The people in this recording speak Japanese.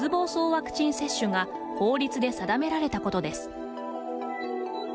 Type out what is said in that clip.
ワクチン接種が法律で定められたことです。